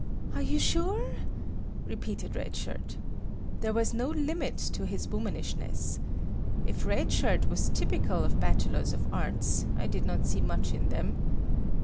"Are you sure?" repeated Red Shirt. There was no limit to his womanishness. If Red Shirt was typical of Bachelors of Arts, I did not see much in them.